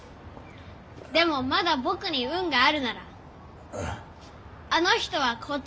でもまだぼくに「運」があるならあの人はこっちには来ない！